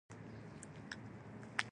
هغوی د واک انحصار په لټه کې و.